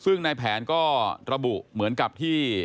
ซึ่งนายแผนก็ระบุเหมือนกับที่